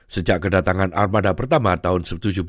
sejak kedatangan armada pertama tahun seribu tujuh ratus